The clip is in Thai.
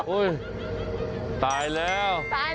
อุ๊ยตายแล้ว